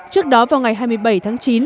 trước đó vào ngày hai mươi bảy tháng chín